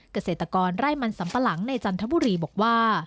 เกษตรกรไร่มันสัมปะหลังในจันทบุรีบอกว่า